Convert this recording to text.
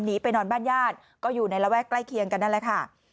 หนีไปนอนบ้านญาติก็อยู่ในระแวกใกล้เคียงกันนั่นแหละค่ะ